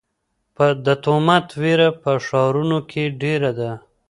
د تومت وېره په ښارونو کې ډېره ده.